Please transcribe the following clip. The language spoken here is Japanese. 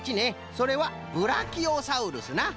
それはブラキオサウルスな。